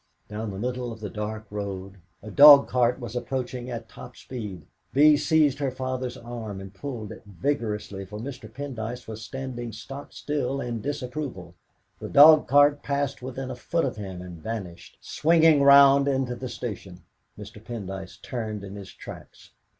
Down the middle of the dark road a dog cart was approaching at top speed. Bee seized her father's arm and pulled it vigorously, for Mr. Pendyce was standing stock still in disapproval. The dog cart passed within a foot of him and vanished, swinging round into the station. Mr. Pendyce turned in his tracks.